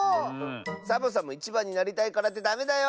サボさんもいちばんになりたいからってダメだよ！